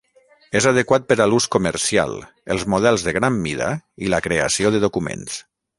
És adequat per a l'ús comercial, els models de gran mida i la creació de documents.